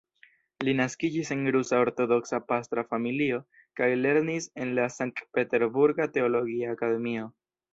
Li naskiĝis en rusa ortodoksa pastra familio kaj lernis en la Sankt-peterburga teologia akademio.